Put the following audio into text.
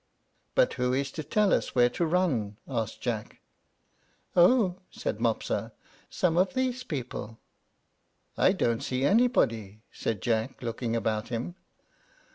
"But who is to tell us where to run?" asked Jack. "Oh," said Mopsa, "some of these people." "I don't see anybody," said Jack, looking about him.